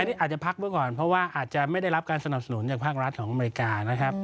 อันนี้อาจจะพักไว้ก่อนเพราะว่าอาจจะไม่ได้รับการสนับสนุนจากภาครัฐของอเมริกานะครับ